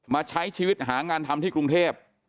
มาใช้ชีวิตหางานทำที่กรุงเทพ